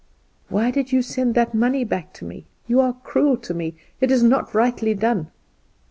"Why did you send that money back to me? You are cruel to me; it is not rightly done."